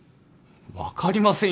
分かりませんよ